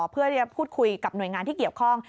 เพื่อจะพูดคุยกับหน่วยงานที่เกี่ยวข้อง